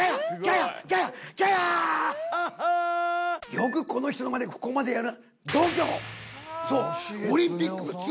よくこの人のまねここまでやる。